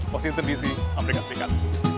fosil terbisi amerika serikat